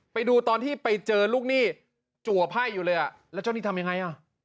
ไปดูตอนที่ไปเจอลูกหนี้จัวไพ่อยู่เลยอ่ะแล้วเจ้าหนี้ทำยังไงอ่ะ